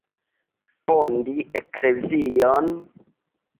Fondi eklezion?